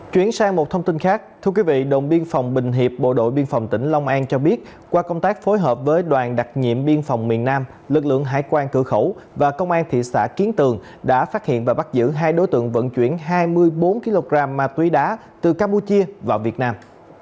chuyển sang một thông tin khác thưa quý vị đồn biên phòng bình hiệp bộ đội biên phòng tỉnh long an cho biết qua công tác phối hợp với đoàn đặc nhiệm biên phòng miền nam lực lượng hải quan cửa khẩu và công an thị xã kiến tường đã phát hiện và bắt giữ hai đối tượng vận chuyển hai mươi bốn kg ma túy đá từ campuchia vào việt nam